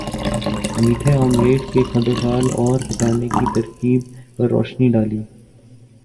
میٹھے آملیٹ کے خدوخال اور پکانے کی ترکیب پر روشنی ڈالی